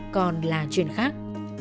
còn là chuyện khác